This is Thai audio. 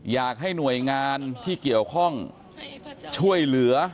อยากให้หน่วยงานที่เกี่ยวข้องช่วยเหลือ